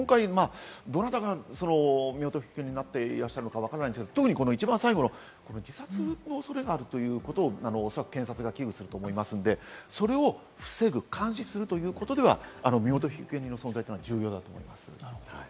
今回はどなたが身元引受人になっていらっしゃるのかわからないですが、一番最後の自殺の恐れがあるということをおそらく検察が危惧すると思いますのでそれを防ぐ、監視するということでは身元引受人の存在は重要だと思います。